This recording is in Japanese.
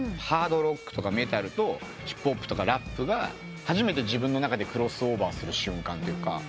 ハードロックとかメタルとヒップホップとかラップが初めて自分の中でクロスオーバーする瞬間というか。